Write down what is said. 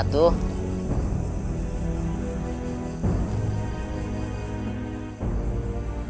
kau mau kemana